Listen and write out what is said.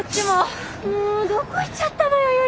もうどこ行っちゃったのよ